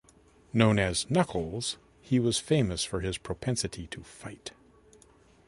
Known as "Knuckles," he was famous for his propensity to fight.